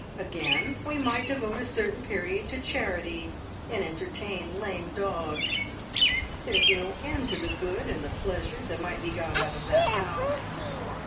Again, we might devote a certain period to charity, and entertain lame dogs. There's no end to the good and the pleasure that might be got out of that house.